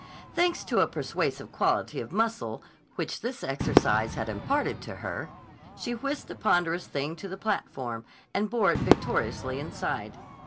Thanks to a persuasive quality of muscle which this exercise had imparted to her, she whisked the ponderous thing to the platform, and bore it victoriously inside.